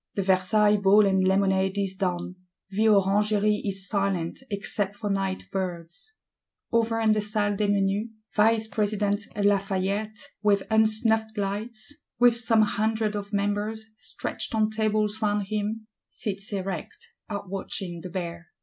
The Versailles Ball and lemonade is done; the Orangery is silent except for nightbirds. Over in the Salle des Menus, Vice president Lafayette, with unsnuffed lights, "with some hundred of members, stretched on tables round him," sits erect; outwatching the Bear.